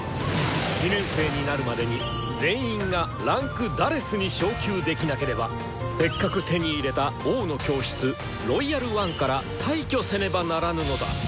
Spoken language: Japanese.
２年生になるまでに全員が位階「４」に昇級できなければせっかく手に入れた「王の教室」「ロイヤル・ワン」から退去せねばならぬのだ！